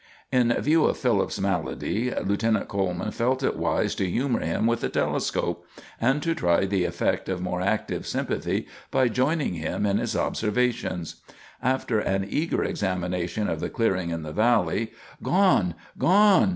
In view of Philip's malady Lieutenant Coleman felt it wise to humor him with the telescope, and to try the effect of more active sympathy by joining him in his observations. After an eager examination of the clearing in the valley, "Gone! Gone!"